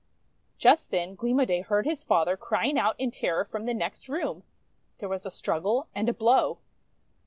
Just then Gleam o' Day heard his father crying out in terror from the next room. There was a struggle and a blow.